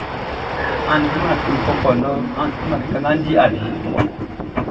Sɛ amun nin a diman fie fɔkɔ lɔ deʼn, amun su siman kɛ kanga di awieʼn.